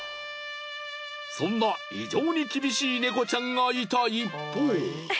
そんな異常に厳しい猫ちゃんがいた一方。